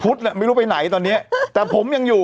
ไม่รู้ไปไหนตอนเนี้ยแต่ผมยังอยู่